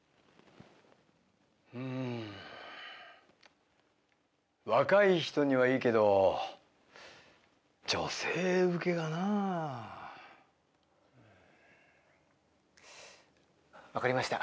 うん若い人にはいいけど女性受けがなあ分かりました